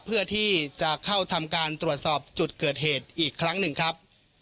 เพื่อที่จะเข้าทำการตรวจสอบจุดเกิดเหตุอีกครั้งหนึ่งครับ